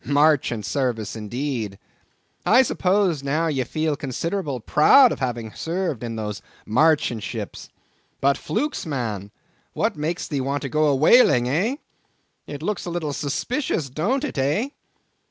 Marchant service indeed! I suppose now ye feel considerable proud of having served in those marchant ships. But flukes! man, what makes thee want to go a whaling, eh?—it looks a little suspicious, don't it, eh?